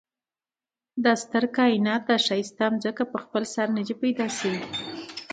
دا ستر کاينات دا ښايسته ځمکه په خپل سر ندي پيدا شوي